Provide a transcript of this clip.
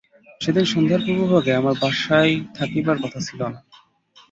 সেদিন সন্ধ্যার পূর্বভাগে আমার বাসায় থাকিবার কথা ছিল না।